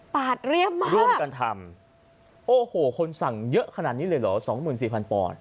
ปาดเรียบมากร่วมกันทำโอ้โหคนสั่งเยอะขนาดนี้เลยเหรอ๒๔๐๐๐ปอนด์